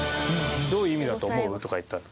「どういう意味だと思う？」とか言ったら。